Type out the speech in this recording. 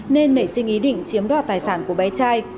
nên nảy sinh ý định chiếm đoạt tài sản của bé trai